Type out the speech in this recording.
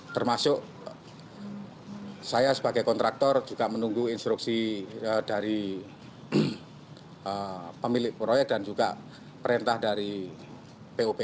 termasuk saya sebagai kontraktor juga menunggu instruksi dari pemilik proyek dan juga perintah dari pupr